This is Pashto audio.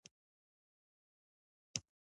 نیازبینې نازنینې فرښتې پکې خرڅیږي